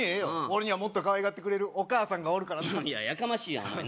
俺にはもっとかわいがってくれるお母さんがおるからないややかましいやんお前